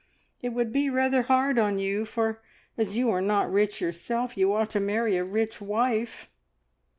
It would be rather hard on you, for, as you are not rich yourself, you ought to marry a rich wife."